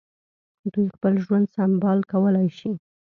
دوی خپل ژوند سمبال کولای شي.